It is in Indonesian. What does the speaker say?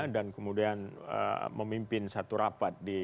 dan kemudian memimpin satu rapat